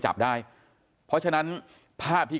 กลุ่มตัวเชียงใหม่